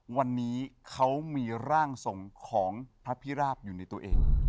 วันนี้เขามีร่างทรงของพระพิราบอยู่ในตัวเอง